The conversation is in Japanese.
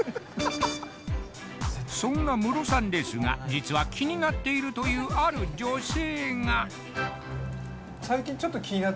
そんなムロさんですが実は気になっているというある女性がマジで？